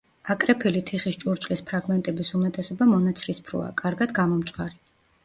აკრეფილი თიხის ჭურჭლის ფრაგმენტების უმეტესობა მონაცრისფროა, კარგად გამომწვარი.